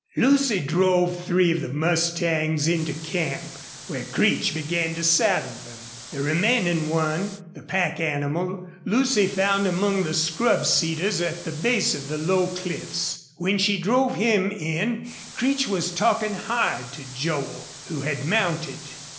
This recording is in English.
Lucy drove three of the mustangs into camp, where Creech began to saddle them. The remaining one, the pack animal, Lucy found among the scrub cedars at the base of the low cliffs. When she drove him in Creech was talking hard to Joel, who had mounted.